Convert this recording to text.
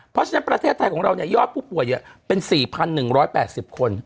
เพราะฉะนั้นประเทศไทยของเรายอดผู้ป่วยเป็น๔๑๘๐คน